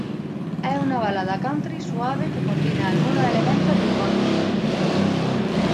Es una balada "country" suave que combina algunos elementos del "pop rock".